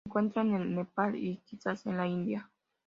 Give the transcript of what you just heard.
Se encuentra en Nepal y, Quizá en la India.